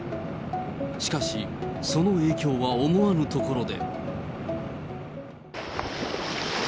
しかし、その影響は思わぬところで。